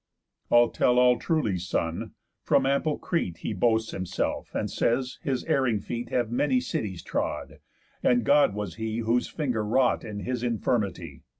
"I'll tell all truly son: From ample Crete He boasts himself, and says, his erring feet Have many cities trod, and God was he Whose finger wrought in his infirmity.